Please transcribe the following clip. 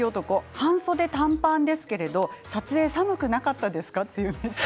半袖、短パンですけど撮影は寒くなかったですか？